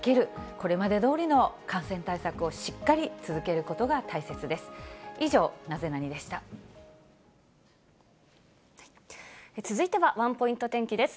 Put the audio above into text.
これまでどおりの感染対策をしっかり続けることが大切です。